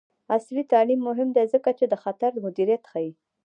عصري تعلیم مهم دی ځکه چې د خطر مدیریت ښيي.